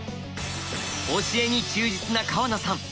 教えに忠実な川名さん。